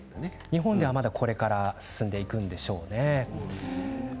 日本では、これから進んでいくんでしょうね。